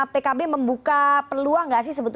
pkb membuka peluang gak sih